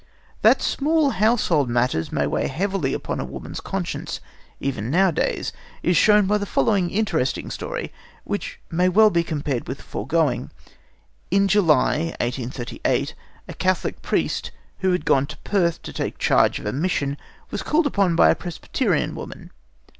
That small household matters may weigh heavily upon a woman's conscience, even nowadays, is shown by the following interesting story, which may well be compared with the foregoing. In July, 1838, a Catholic priest, who had gone to Perth to take charge of a mission, was called upon by a Presbyterian woman.